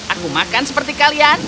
aku makan seperti kalian